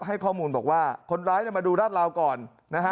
ให้ข้อมูลบอกว่าคนร้ายมาดูราดราวก่อนนะฮะ